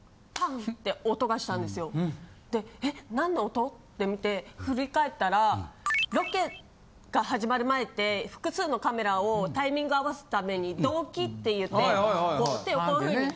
「えっ何の音！？」って見て振り返ったらロケが始まる前って複数のカメラをタイミング合わすために同期って言って手をこういう風に。